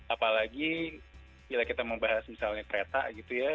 apalagi bila kita membahas misalnya kereta gitu ya